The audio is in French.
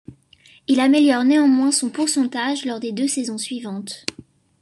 Il améliore néanmoins son pourcentage lors des deux saisons suivantes.